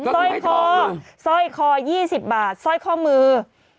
ก็ถึงให้ทองเลยซ้อยคอ๒๐บาทซ้อยข้อมือ